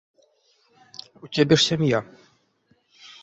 У цябе ж сям'я!